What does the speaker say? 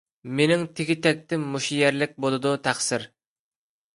مېنىڭ تېگى - تەكتىم مۇشۇ يەرلىك بولىدۇ، تەقسىر.